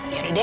ya udah deh